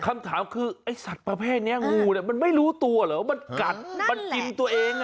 คำถามคือไอ้สัตว์ประเภทนี้งูเนี่ยมันไม่รู้ตัวเหรอมันกัดมันกินตัวเอง